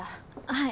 はい。